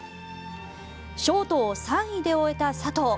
ショートを３位で終えた佐藤。